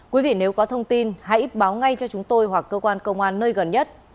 quý vị nếu có thông tin hãy báo ngay cho chúng tôi hoặc cơ quan công an nơi gần nhất